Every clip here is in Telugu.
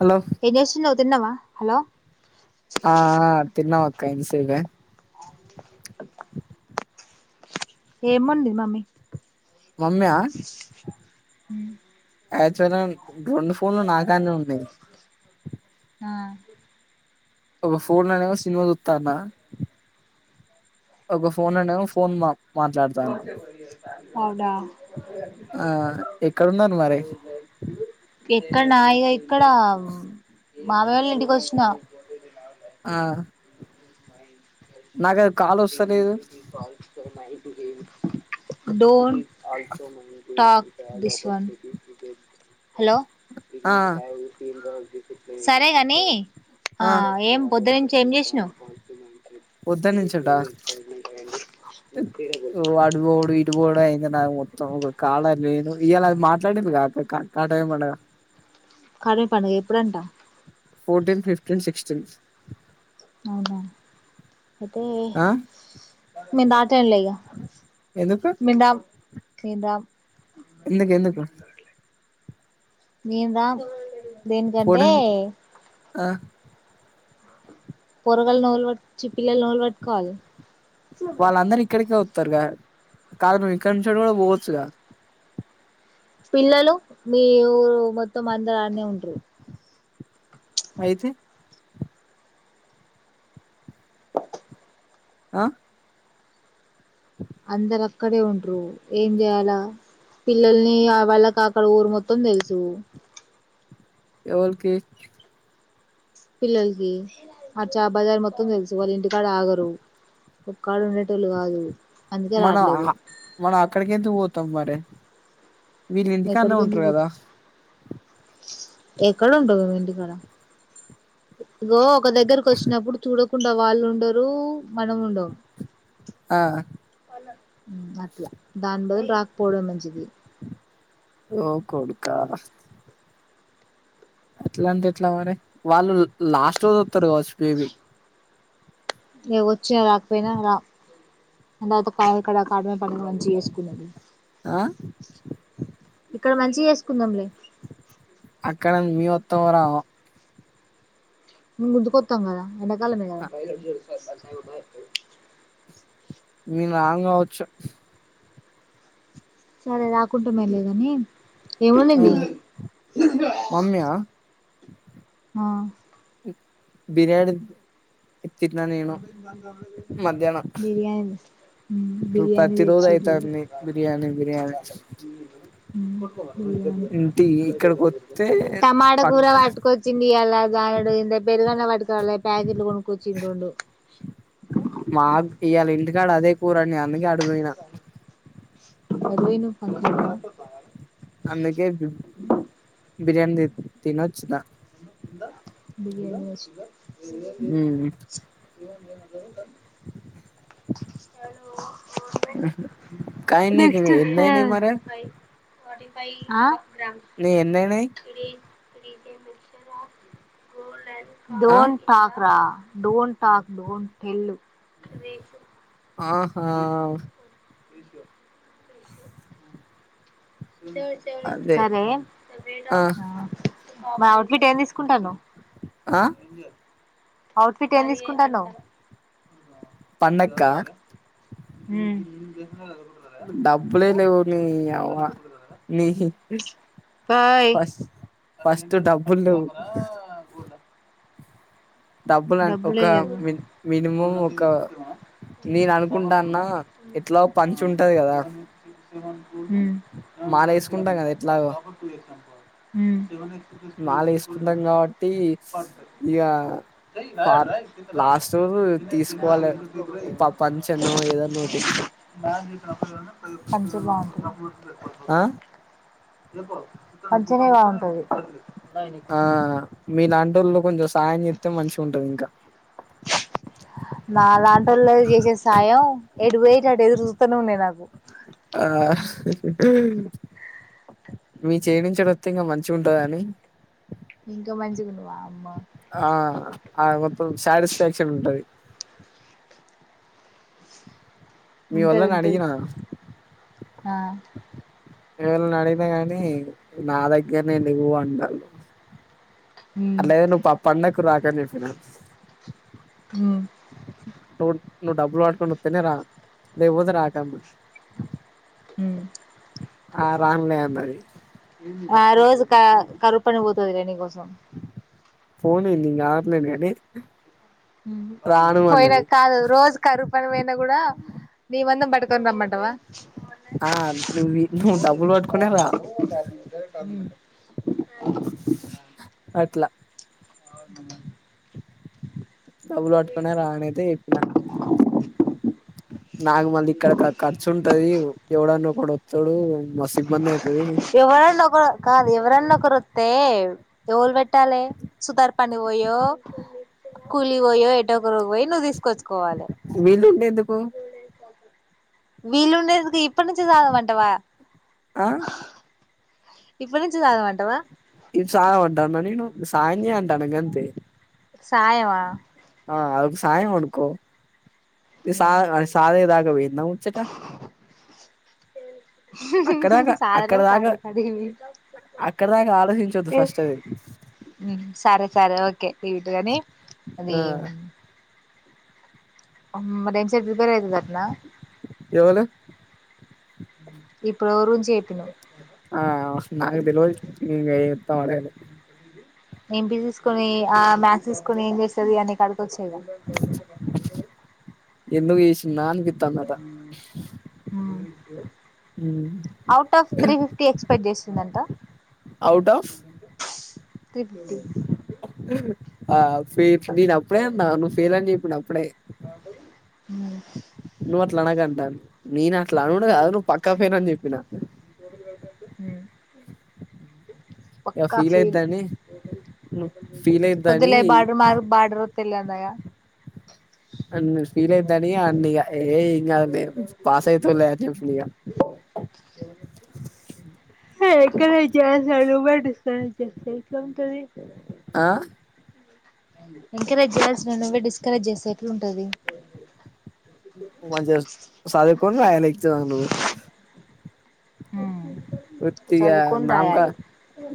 హలో ఏమ్ చేస్తున్నావు తిన్నావ హలో ఆ ఆ తిన్నమ్ అక్క ఇనిపిల అ ఏమంది మమ్మీ నన్న హ్మ్ యాచవల్ గన్ రెండు ఫోన్లు నాకానే ఉన్నాయి. ఆ ఒక ఫోన్ లోనో సినిమా సుత్తన్నా ఒక ఫోన్ లోనో ఫోన్ మా మాట్లాడతాన్న అవునా ఆ ఎక్కడున్నారు మరి ఇ ఎక్కడనాయే ఇక్కడ బాబాయివాళ్ళ ఇంటికి వచ్చిన ఆ నాగద్ డోర్ టాక్ దిస్ వన్ ఆ సరేగాని ఆ ఏం పొద్దు నుంచి ఏం చేసినావ్? పొద్దనుంచేడా? అడి ము పోయి ఇప్పుడు ఇటువోవుడు అయింది. నాది మొత్తం ఒక కాడ లేను ఇయ్యాలా మాట్లాడింది గా కాక కాటా ఏమనగా కడమ్ పండుగ ఎప్పుడంటా? ఫోర్టీన్ ఫిఫ్టీన్ సిక్స్టీన్ అవునాత అయితే ఆ మేం రాట్ తినాలే ఇగ ఎందుకు మేం రామ్ మేం రామ్ ఎందుకు ఎందుకు? మేం రామ్ దేనికంటే ఫోర్టీన్ ఆ పోరగల్ ను ఎవల్ వట్ చి పిల్లల్ నెవెల్ పట్కోవలె వాళ్ళందరు ఇక్కడికే వత్తరు గా కాదు నువ్ ఇక్కడి నుంచి కూడా పోవచ్చుగా పిల్లలు మీ ఊరు మొత్తం అందరు అన్నే ఉంటారు. అయితే ఆ అందరు అక్కడే ఉంట్రు ఏం చేయాలా? పిల్లల్ని ఆ వాళ్ళకి అక్కడ ఊరు మొత్తం తెలుసు ఎవలికి పిల్లలకి ఆ చా బజార్ మొత్తం తెలుసు వాళ్ళు ఇంటికాడ ఆగరు ఒక కాడు ఉండేటోళ్ళు కాదు. అందుకే మనం రావట్లేదు మనం అక్కడికి ఎందుకు పోతాం మరి వీళ్ళు ఇంటికన్నే ఎక్కడికి ఎందుకు ఉంటారు పోత కదా! ఎక్కడ ఉంటావు? నువ్ ఇంటి కాడ ఇగో ఒక దగ్గరకొచ్చినప్పుడు చూడకుండా వాళ్ళుండరు. మనముండమ్. ఆ అట్లా దాని బదుల్ రాక్పోడమే మంచిది. ఓ కొడుకా అట్లా అంటే ఎట్లా మరే వాళ్ళు లాస్ట్ రోజు వొత్తరు కావచ్చు మేబీ ఇగ వచ్చిన రాకపోయినా రా అందతవ్ పైన కడక్ పడన పండుగ మంచిగ చేసుకుందాం తియ్ ఆ ఇక్కడ మంచిగా చేసుకుందాంలే. అక్కడ మీమ్ అత్తమో రామో? మేం గుంజ్ కొత్తాం కదా ఎండాకాలమే మేము కదా. మేం రాంగవచ్చు. సరే రాకుంటామయే లేగని ఏమోండింది? ఉమ్, మమ్మీ ఆ ఆ బిర్యానీద్ తిన్నా నేను మధ్యాహ్నం బిర్యానీ ను బిర్యానీ ప్రతి రోజు తెచ్చిర్రు అయితంది బిర్యానీ బిర్యానీ బిర్యానీ ఇ ఇక్కడికొత్తె టమాటా కూర పట్టుకొచ్చిందియలా గారడేందే పెరుగన్న పట్టుకరాలే ప్యాకెట్లు కొనుక్కొచ్చిండ్ రోండు మాక్ ఇయళ ఇంటికాడ అదే కూరండిన అందుకే అటుపోయినా ఎటువోయినవ్ ఫంక్షన్కా అందుకే బి బిర్యానీ తి తినొచ్చిన బిర్యానీ తినొచ్ [unintelligible] కానీ నీకు ఏన్నాయినయ్ మరె అ ఎన్నయినాయి ఆ డోన్ ఠాక్ రా డోం టక్ డట్ టేల్ ఆహా తిస్ కొత్ అదే సరే ఆ మా అవుట్ఫిట్ ఏం తీసుకుంటనవ్ ఆ అవుట్ఫిట్ ఏం తీసుకుంటానవ్ పండక్క ఉమ్ డబ్బులే లేవ్ నీ అవ్వా నీహి ఫష్ ఫస్ట్ ఎంటిదటా ఫస్ట్ టపరా గోల్డా డబ్బులు డబ్బులే ఒక లేవ్వ మి మినిమం ఉమ్ ఒక నేను ఉమ్ అనుకుంటాన్నా ఎట్లా పంచి ఉంటది కదా మాలేసుకుంటాం కదా మాలేసుకుంటాం కాబట్టి ఇగ ఫార్ లాస్ట్ రోజు తీసుకోవాలే ప పంచనో ఏదన్నోటి పంచే బాగుంటది ఆ పంచేనే బాగుంటది ఆ మీలాంటోల్లు కొంచెం సాయం చేత్తె మంచిగుంటది ఇంకా [unintelligible] నా లాంటోల్లాక్ చేసే సాయం ఎటు పోయేటియి అటు ఎదురు చూత్తనే ఉన్నాయి నాకు ఆ మీ చేయినించెడ్ అత్తె ఇంకా మంచిగుంటదని ఇంకా మంచిగుండు వామ్మ ఆ ఆ మొత్తం సాటిస్ఫాక్షన్ ఉంటది మీ ఉంటది వొల్లన్ ఉంటది అడిగిన ఆ మీ వొళ్ళని అడిగినా గాని నా దగ్గర నే లెవ్వు అంటళ్లు ఉమ్ అట్లైదే నువ్వు పాపండక్కు రాకని చెప్పిన ఉమ్ టోన్ నువ్వు డబ్బులు పట్టుకొని అత్తేనే రా లేకపోతే రాకన్నా ఉమ్ ఆ రాన్ ఆ రోజు క కరుపని పోతది రే నీ కోసం పోనెంది ఇంగ ఆగట్లేను గని పోయిన కాదు రోజు కరుపని పోయినా కూడా నీ వందం పట్కొని రమ్మంటవా ఆ నువ్వు నువ్వు డబ్బులు పట్టుకునే రా ఉమ్ అట్లా అ డబ్బులు పట్టుకొనే రా అనైతే చెప్పిన నాకు మళ్ళీ ఇక్కడ ఖర్చు ఉంటది ఎవడన్నా కూడా వస్తాడు ఎవరన్నా ఒకరు కాదు ఎవరన్నా ఒకరు వత్తే ఎవుల్ వెట్టాలే సుధార్ పని పోయ్యో కూలి పోయో ఎటోటోకరు పోయి నువ్వు తీసుకోవచ్చు విల్లుండే ఎందుకు వీళ్ళ ఉండదుకి ఇప్పు నుంచి తాగమంటవా ఆ ఇప్పుడు నుంచి తగమంటవా ఇది సాయం అంటాన్న నేను సాయం చేయ్ అంటాన్న గంతే సాయమా ఆ ఆది ఒక సాయం అనుకో [unintelligible] పోయిందా ముచ్చట అక్కడ దాకా సాధన అక్కడ దాకా సాధి కాటికి అక్కడ దాకా ఆలోచించొద్దు పోయింది ఫస్ట్ అది సరే సరే ఓకే వీటిగానే అదే ఆ అమ్మ [unintelligible] రిపేర్ అయుతుందటన ఎవలు ఇప్పుడు ఏవరు గురించి చెప్పినావ్ [inaudible] ఇంటి తీసుకొని ఆ మ్యాథ్స్ తీసుకొని ఏం చేస్తది అని కడు వచ్చు ఇగ ఎందుకు చేసిన్న అనిపిత్తందట out of three fifty expect చేస్తుందంట అవుట్ ఆఫ్ త్రీ ఫిఫ్టీ ఆ [unintelligible] నువ్వు పేల్ అని చెప్పిన అప్పుడే హు నువ్వు అట్లా అనకు అంటాంది నేను అట్లా అనుడు కాదు నువ్వు పక్కా ఫెల్ అని చెప్పినా [inaudible] ఉ ఇగ పక్క ఫీల్ ఫెల్ అయిద్దని నువ్వు ఫీల్ అయిద్దని వద్దులే [unintelligible] అన్నయ్య అన్ని ఫీల్ అయితాని అన్న ఇగా ఏ ఏం కాదులే పాస్ అయితావులే అని చెప్పిన ఇగ ఎంకరేజ్ చే [inaudible] ఆ ఎంకరేజ్ చేయాల్సి నువ్వే డిస్కరేజ్ చేస్తే ఎట్లుంటది [unintelligible] చదువుకొని రాయాలి ఎగ్జామ్లు హుమ్ వుత్తిగా నామకా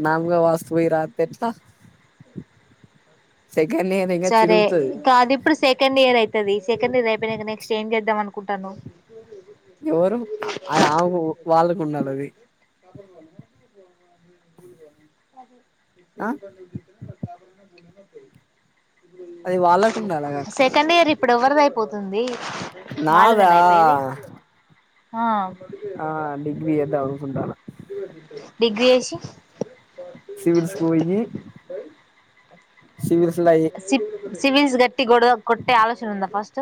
నామకా వాస్తు పోయి రాత్తే ఎట్లా సెకండ్ ఇయర్ ఇంగ సరే చినుగుతది కాదు ఇప్పుడు సెకండ్ ఇయర్ అయతది సె సెకండ్ ఇయర్ అయిపోయినాక నెక్స్ట్ ఏం చేద్దాం అనుకుంటానవ్ ఎవరు ఆది అమ ఆ వాళ్ళకు ఉండాల ఆది [unintelligible] ఆ [inaudible] అది వాళ్ళకు ఉండాలి గా అక్క సెకండ్ ఇయర్ ఇప్పుడు ఎవ్వరిది అయిపోతుంది నాదా వాళ్ళదేనా అయిపోయేది ఆ ఆ డిగ్రీ చేద్దాం అనుకుంటాన డిగ్రీ చేసి సివిల్స్ పోయి సివిల్స్ లో సివిల్స్ గట్టి గడ కొట్టే ఆలోచన ఉందా ఫస్ట్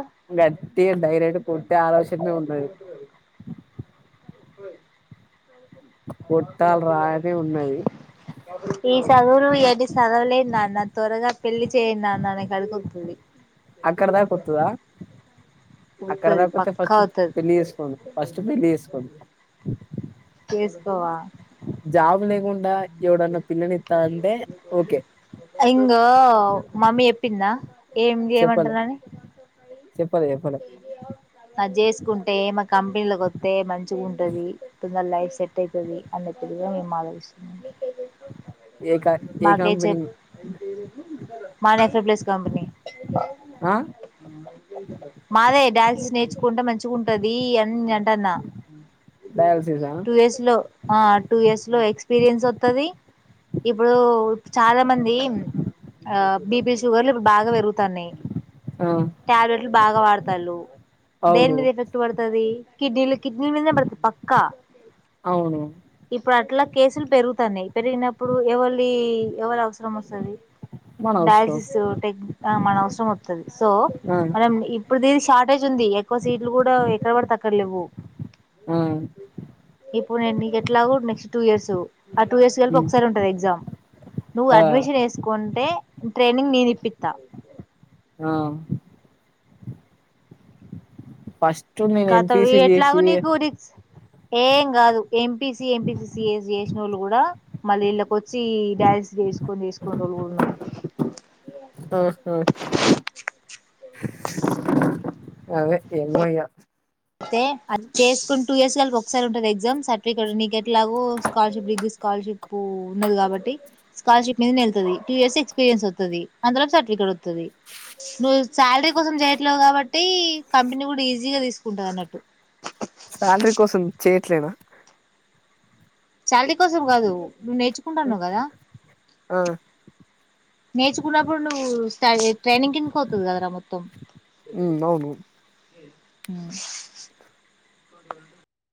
టే డైరెక్ట్ కొట్టే ఆలోచన ఏ ఉన్నది కొట్టాలి రా అనే ఉన్నది ఈ చదువులు ఇవన్నీ చదవలేం నాన్న త్వరగా పెళ్లి చేయి నాన్న నాకు అడుగుతుంది అక్కడ దాక వత్తువా అక్కడ వత్తది దాకపోతే పక్కా ఫస్ట్ వత్తది పెళ్లి చేసుకోండి ఫస్ట్ పెళ్లి చేసుకోను చేసుకోవా జాబ్ లేకుండా డా ఎవడన్న పిల్లని ఇత్తానంటే ఓకే ఇంగో ఏమి చెప్పలే ఏమంటున్నాని చెప్పలే చెప్పలే అది చేసుకుంటే మకి కంపెనీలకు వస్తే మంచిగా ఉంటుంది తొందర లైఫ్ సెట్ అవుతుంది అన్నట్టుగా మేము మానేశాం ఏ క మా ఏ కంపెనీ [unintelligible] మాదా ట్రిపుల్ స్ కంపెనీ ఆ మాదే డ్యాన్సెస్ నేర్చుకుంటే మంచిగా ఉంటది అని అంటన్న డయాలసిసా టూ ఇయర్స్ లో ఆ టూ ఇయర్స్ లో ఎక్స్ ఎక్స్పీరియన్స్ వత్తది ఇప్పుడు చాలా మంది ఆ బిపి షుగర్లు బాగా పెరుగుతన్నాయి ఆ టాబ్లెట్లు బాగా వాడతండ్రు దేన్ అవును మీద ఎఫెక్ట్ పడుతది కిడ్నీ లకి కిడ్నీ మీదే పడుతుంది పక్కా అవును ఇప్పుడు అట్లా కేసులు పెరుగుతాన్నాయి పెరిగినప్పుడు ఎవలిది ఎవరి అవసరం వస్తది మన అవసరం డయాలసిస్ టె మన అవసరం వత్తది సో ఆ మనం ఇప్పుడు ద షార్ట్ అడ్వాన్టేజ్ ఉంది ఎక్కువ సీట్లు కూడా ఎక్కడ కూడా పడితే అక్కర్లేవ్వు ఆ ఇప్పుడు నేను నీకు ఎట్లాగ నెక్స్ట్ టూ ఇయర్స్ ఆ టూ ఇయర్స్ కలిపి ఉమ్, ఒకసారి ఉంటది ఎగ్జామ్ నువ్వు ఆ అడ్మిషన్ వేసుకుంటే ట్రైనింగ్ నేను ఇప్పిత్తా ఆ ఫస్ట్ నేను ఖతం ఎంపిసి ఎట్లాగో చేసి నీకు రిక్స్ ఏం కాదు ఎంపీసి ఎంపీసి సిఏసి చేసిన వాళ్ళు కూడా మళ్ళీ ఇళ్ళక వచ్చి డ వేసుకొని వేసుకొని వాళ్ళు కూడా ఉన్నారు ఆహా అదే ఎమయ అయితే అది చేసుకుని టూ ఇయర్స్ కి వెళ్ళిపో ఒకసారి ఉంటది ఎగ్జామ్ సర్టిఫికెట్ నీకు ఎట్లాగో స్కాలర్షిప్ డిగ్రీ స్కాలర్షిప్పు ఉన్నది కాబట్టి స్కాలర్షిప్ మీద నెళ్తది టూ ఇయర్స్ ఎక్స్పీరియన్స్ వత్తది అంతలో సర్టిఫికేట్ వత్తది నువ్వు శాలరీ కోసం చేయట్లేవు కాబట్టి కంపెనీ కూడా ఈజీగా తీసుకు ఉంటది అన్నట్టు శాలరీ కోసం చేయట్లేదా శాలరీ కోసం కాదు నువ్వు నేర్చుకుంటాన్నావ్ కదా ఆ నేర్చుకున్నప్పుడు నువ్వు స్టయి ట్రైనింగ్ కిందకి ఒత్తది కదరా మొత్తం మ్ అవును [inaudible]